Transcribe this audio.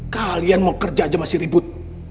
kalian mau kerja aja masih ribut